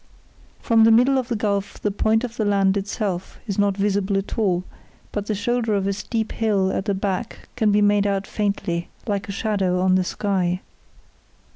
From the middle of the gulf the point of the land itself is not visible at all; but the shoulder of a steep hill at the back can be made out faintly like a shadow on the sky.